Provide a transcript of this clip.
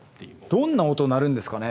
どんな音鳴るんですかね？